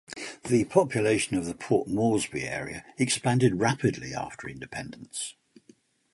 The population of the Port Moresby area expanded rapidly after independence.